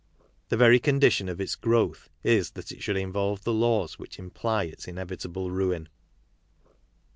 The very condition of its growth is that it should involve the laws which imply its inevitable ruin.